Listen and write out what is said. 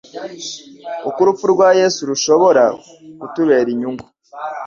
uko urupfu rwa yesu rushobora kutubera inyungu